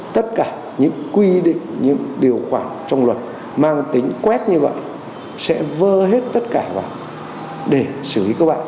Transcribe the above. tất cả những quy định những điều khoản trong luật mang tính quét như vậy sẽ vơ hết tất cả vào để xử lý các bạn